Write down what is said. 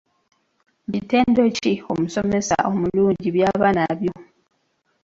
Bitendo ki omusomesa omulungi by'aba nabyo?